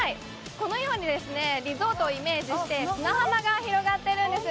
このようにリゾートをイメージして砂浜が広がっているんです。